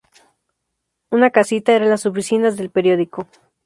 Una casita era las oficinas del periódico.